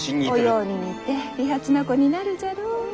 お葉に似て利発な子になるじゃろう。